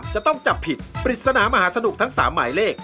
จะต้องจับผิดปริศนามหาสนุกทั้ง๓หมายเลข